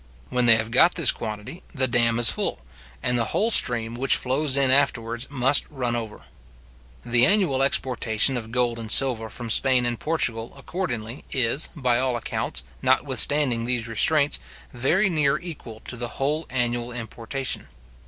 When they have got this quantity, the dam is full, and the whole stream which flows in afterwards must run over. The annual exportation of gold and silver from Spain and Portugal, accordingly, is, by all accounts, notwithstanding these restraints, very near equal to the whole annual importation.